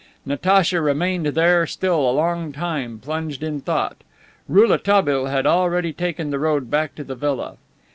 Natacha remained there still a long time, plunged in thought. Rouletabille had already taken the road back to the villa.